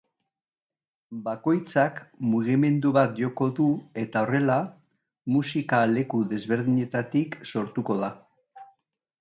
Bakoitzak mugimendu bat joko du eta horrela, musika leku desberdinetatik sortuko da.